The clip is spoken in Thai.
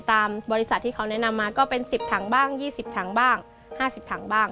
ตามบริษัทที่เขาแนะนำมาก็เป็น๑๐ถังบ้าง๒๐ถังบ้าง๕๐ถังบ้าง